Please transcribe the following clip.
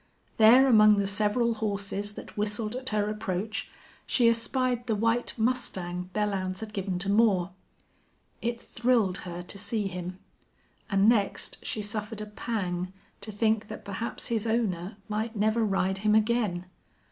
There among the several horses that whistled at her approach she espied the white mustang Belllounds had given to Moore. It thrilled her to see him. And next, she suffered a pang to think that perhaps his owner might never ride him again.